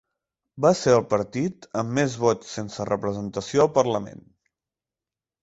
Va ser el partit amb més vots sense representació al parlament.